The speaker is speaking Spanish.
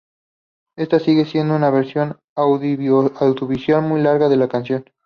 Esta sigue siendo una versión audiovisual muy rara de la canción.